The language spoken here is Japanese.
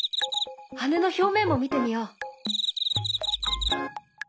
羽の表面も見てみよう。